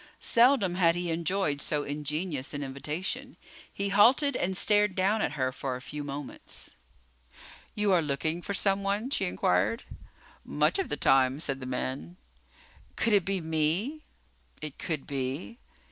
Seldom had he enjoyed so ingenuous an invitation. He halted and stared down at her for a few moments. "You are looking for someone?" she inquired. "Much of the time," said the man. "Could it be me?" "It could be."